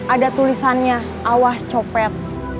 ada tulisannya awas copet